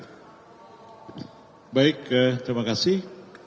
baik terima kasih